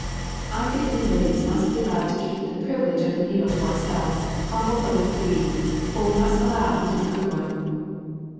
I think we ladies must be allowed to keep the privilege of the needle to ourselves, humble though it be, for we must allow it is a good one."